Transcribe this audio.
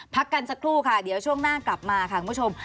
พักกันสักครู่ค่ะเดี๋ยวช่วงหน้ากลับมาค่ะคุณผู้ชม